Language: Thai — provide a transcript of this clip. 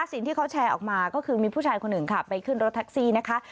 สิ่งที่เขาแชร์ออกมาก็คือมีผู้ชายคนหนึ่งค่ะไปขึ้นรถแท็กซี่นะคะ